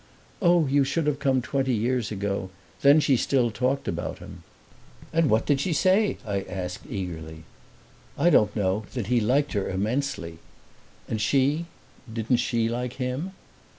"Oh, you should have come twenty years ago: then she still talked about him." "And what did she say?" I asked eagerly. "I don't know that he liked her immensely." "And she didn't she like him?"